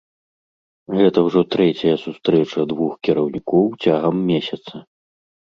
Гэта ўжо трэцяя сустрэча двух кіраўнікоў цягам месяца.